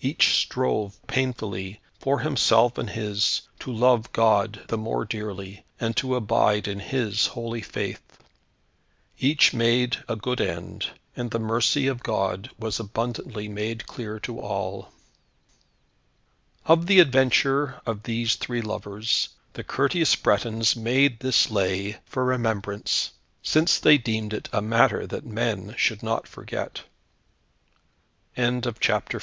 Each strove painfully, for himself and his, to love God the more dearly, and to abide in His holy faith. Each made a good end, and the mercy of God was abundantly made clear to all. Of the adventure of these three lovers, the courteous Bretons made this Lay for remembrance, since they deemed it a matter that men should not forget. V THE LAY OF THE NI